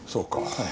はい。